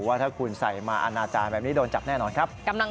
ว่าถ้าคุณใส่มาอนาจารย์แบบนี้โดนจับแน่นอนครับ